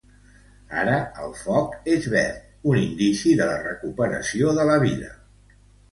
Ara el foc és verd, un indici de la recuperació de la vida.